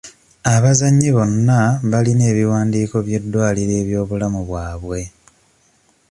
Abazannyi bonna balina ebiwandiiko by'eddwaliro eby'obulamu bwabwe.